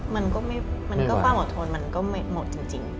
มันก็ไม่มันก็กล้าหมดทนมันก็ไม่หมดจริง